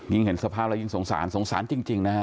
เห็นสภาพแล้วยิ่งสงสารสงสารจริงนะฮะ